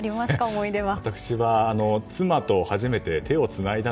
思い出は。